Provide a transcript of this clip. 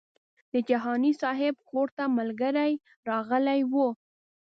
د جهاني صاحب کور ته ملګري راغلي وو.